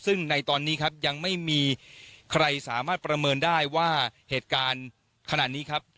ซึ่งในตอนนี้ครับยังไม่มีใครสามารถประเมินได้ว่าเหตุการณ์ขนาดนี้ครับ